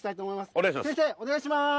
お願いします